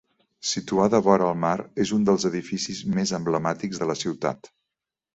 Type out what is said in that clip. Situada vora el mar, és un dels edificis més emblemàtics de la ciutat.